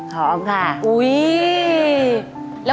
หอมค่ะ